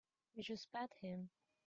You just pat him.